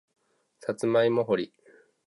さつまいも掘り